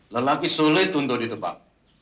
lelaki sulit untuk ditebak